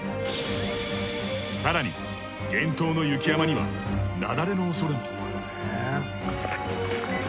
更に厳冬の雪山には雪崩の恐れも。